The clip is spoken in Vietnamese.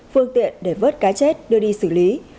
phương tiện để vớt cá chết đưa đi xử lý